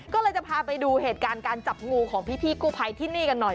ก็เลยจะพาไปดูเหตุการณ์การจับงูของพี่กู้ภัยที่นี่กันหน่อย